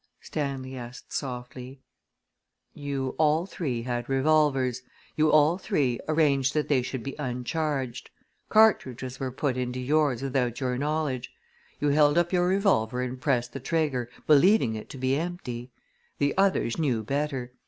Stanley asked softly. "You all three had revolvers; you all three arranged that they should be uncharged. Cartridges were put into yours without your knowledge. You held up your revolver and pressed the trigger, believing it to be empty. The others knew better.